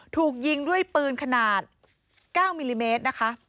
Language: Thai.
ถูกยิงด้วยปืนขนาด๙มิลลิเมตรนะคะ